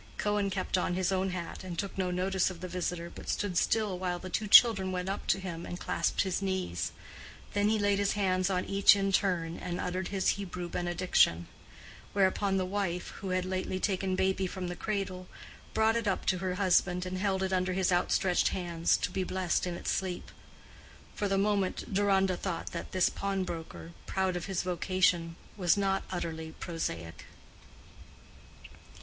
Cohen kept on his own hat, and took no notice of the visitor, but stood still while the two children went up to him and clasped his knees: then he laid his hands on each in turn and uttered his Hebrew benediction; whereupon the wife, who had lately taken baby from the cradle, brought it up to her husband and held it under his outstretched hands, to be blessed in its sleep. For the moment, Deronda thought that this pawnbroker, proud of his vocation, was not utterly prosaic.